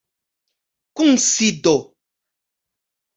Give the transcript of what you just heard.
kunsido